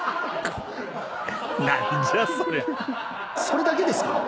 それだけですか？